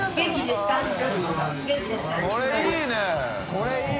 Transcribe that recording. これいい！